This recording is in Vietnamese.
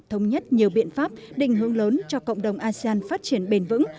thống nhất nhiều biện pháp định hướng lớn cho cộng đồng asean phát triển bền vững